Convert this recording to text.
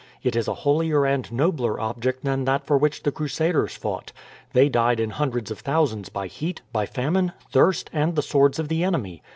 It is a holier and nobler object than that for which the Crusaders fought. They died in hundreds of thousands by heat, by famine, thirst, and the swords of the enemy.